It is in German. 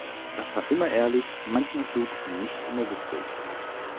Das war immer ehrlich, manchmal klug und nicht immer witzig.